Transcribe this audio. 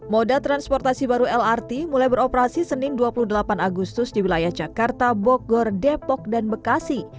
moda transportasi baru lrt mulai beroperasi senin dua puluh delapan agustus di wilayah jakarta bogor depok dan bekasi